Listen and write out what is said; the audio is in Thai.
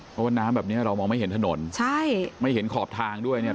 เพราะว่าน้ำแบบเนี้ยเรามองไม่เห็นถนนใช่ไม่เห็นขอบทางด้วยเนี่ย